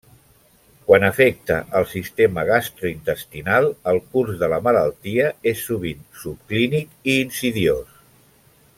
Quan afecta el sistema gastrointestinal, el curs de la malaltia és sovint subclínic i insidiós.